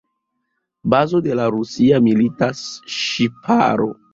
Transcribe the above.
Bazo de la rusia milita ŝiparo.